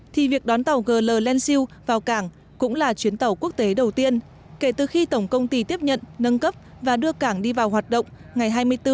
thì việc đón tàu gl lan siu vào càng cũng là chuyến tàu quốc tế đầu tiên kể từ khi tổng công ty tiếp nhận nâng cấp và đưa càng đi vào hoạt động ngày hai mươi bốn tháng một mươi năm hai nghìn một mươi sáu